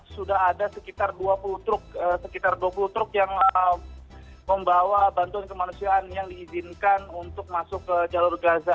sudah ada sekitar dua puluh truk yang membawa bantuan kemanusiaan yang diizinkan untuk masuk ke jalur gaza